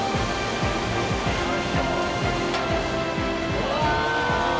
うわ。